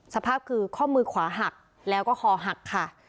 สภาพคือข้อมือขวาหักแล้วก็คอหักค่ะ